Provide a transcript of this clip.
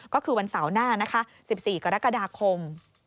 ก็คือวันเสาร์หน้านะคะ๑๔กรกฎาคม